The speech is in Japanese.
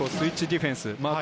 ディフェンス。